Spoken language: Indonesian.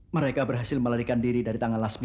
mereka berhasil melarikan diri dari tangan lasmini